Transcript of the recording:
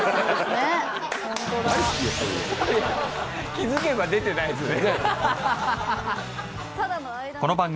気づけば出てないですね。